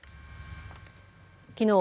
きのう